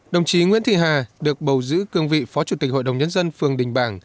đồng chí nguyễn thị hà được bầu giữ cương vị phó chủ tịch hội đồng nhân dân phường đình bảng